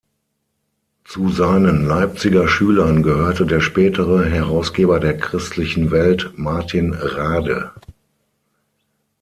Zu seinen Leipziger Schülern gehörte der spätere Herausgeber der "Christlichen Welt" Martin Rade.